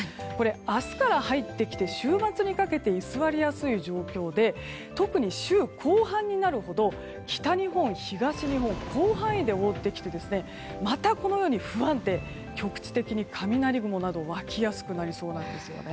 明日から入ってきて週末にかけて居座りやすい状況で特に週後半になるほど北日本、東日本を広範囲で覆ってきてまた、このように不安定局地的に雷雲などが湧きやすくなりそうなんです。